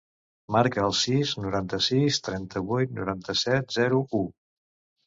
Marca el sis, noranta-sis, trenta-vuit, noranta-set, zero, u.